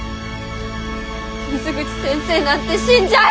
水口先生なんて死んじゃえ！